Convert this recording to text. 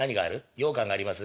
ようかんがあります？